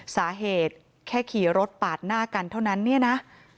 สาเหตุแค่ขี่รถปาดหน้ากันเท่านั้นเนี่ยนะ